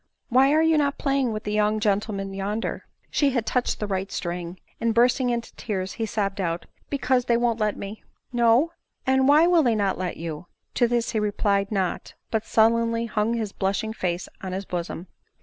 " Why are you not playing with the young gentlemen yonder ?" She had touched the right string ; and bursting into tears, he sobbed out, " Because they won't let me." " No? and why will they not let you ?" To this he replied not ; but sullenly hung his blushing face on his bosom.